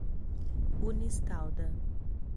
Unistalda